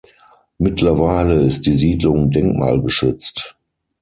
Mittlerweile ist die Siedlung denkmalgeschützt.